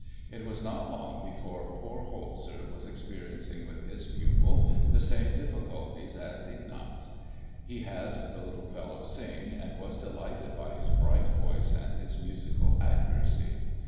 It was not long before poor Holzer was experiencing with his pupil the same difficulties as Ignaz. He had the little fellow sing and was delighted by his bright voice and his musical accuracy.